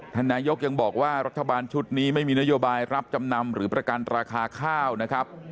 นายกยังบอกว่ารัฐบาลชุดนี้ไม่มีนโยบายรับจำนำหรือประกันราคาข้าวนะครับ